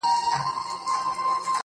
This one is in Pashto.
• كه دي زما ديدن ياديږي.